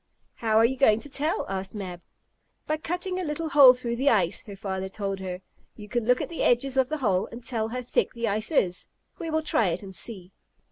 "How are you going to tell?" asked Mab. "By cutting a little hole through the ice," her father told her. "You can look at the edges of the hole and tell how thick the ice is. We will try it and see."